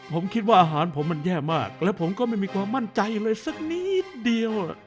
ผมคิดว่าอาหารผมมันแย่มากแล้วผมก็ไม่มีความมั่นใจเลยสักนิดเดียว